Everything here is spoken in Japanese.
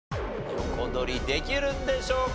横取りできるんでしょうか？